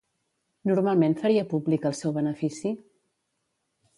Normalment faria públic el seu benefici?